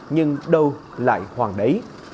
nhưng đâu lại hoàng đế